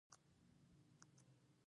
نوموړي صنعتکاران سرخوږی باله.